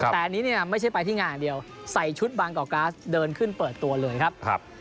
แต่อันนี้เนี่ยไม่ใช่ไปที่งานอย่างเดียวใส่ชุดบางกอกก๊าซเดินขึ้นเปิดตัวเลยครับ